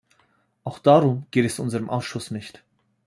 Auch darum geht es unserem Ausschuss nicht.